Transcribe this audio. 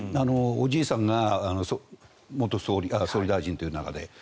おじいさんが元総理大臣という。